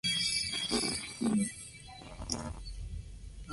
Es la alternativa alfarera a los tradicionales cestos de mimbre.